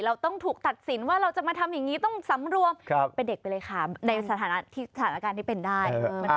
เราต้องถูกตัดสินว่าเราจะมาทำอย่างนี้ต้องสำรวมเป็นเด็กไปเลยค่ะในสถานการณ์ที่เป็นได้